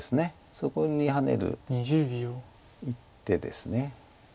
そこにハネる一手です。